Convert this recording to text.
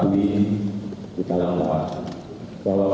ada yang dikarenakan